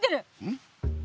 ん？